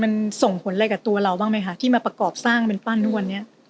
มันส่งผลอะไรกับตัวเราบ้างไหมคะที่มาประกอบสร้างเป็นปั้นทุกวันนี้